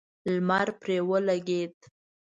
لمر پرې ولګېد.